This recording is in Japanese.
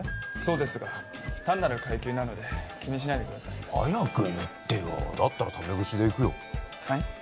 そうですが単なる階級なので気にしないでください早く言ってよだったらタメ口でいくよはい？